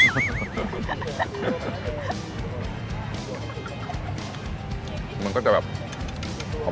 คนที่มาทานอย่างเงี้ยควรจะมาทานแบบคนเดียวนะครับ